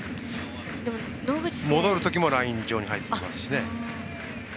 戻るときもライン上に入ってきますね。